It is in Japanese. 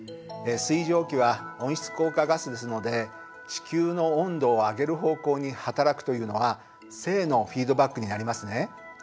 水蒸気は温室効果ガスですので地球の温度を上げる方向に働くというのは正のフィードバックになりますね。